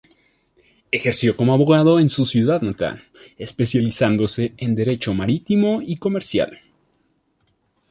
Ejerció como abogado en su ciudad natal, especializándose en derecho marítimo y comercial.